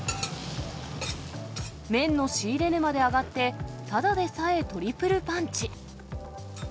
麺の仕入れ値まで上がって、ただでさえトリプルパンチ。